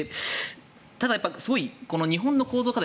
ただ、すごい日本の構造課題